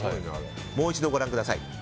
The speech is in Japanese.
もう一度ご覧ください。